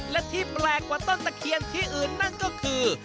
และที่แปลกกว่าต้นตะเคียนที่อื่นนั่นก็คือ